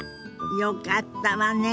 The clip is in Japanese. よかったわね。